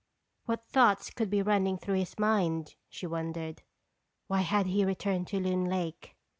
What thoughts could be running through his mind, she wondered? Why had he returned to Loon Lake?